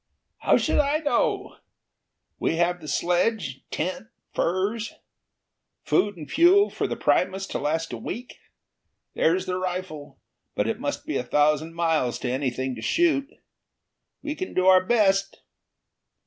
"How should I know? We have the sledge, tent, furs. Food, and fuel for the primus to last a week. There's the rifle, but it must be a thousand miles to anything to shoot. We can do our best."